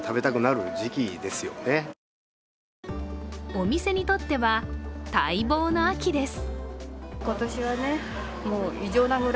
お店にとっては、待望の秋です。